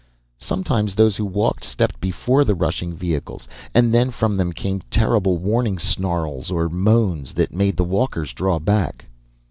Sometimes those who walked stepped before the rushing vehicles, and then from them came terrible warning snarls or moans that made the walkers draw back.